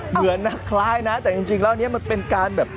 เหมือนนะคล้ายนะแต่จริงแล้วอันนี้มันเป็นการแบบ